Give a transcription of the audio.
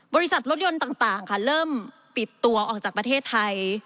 บริษัทรถยนต์ต่างค่ะเริ่มปิดตัวออกจากประเทศไทย